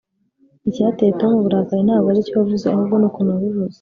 icyateye tom uburakari ntabwo aricyo wavuze, ahubwo nukuntu wabivuze